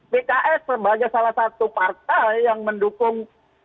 pks sebagai salah satu partai yang mendukung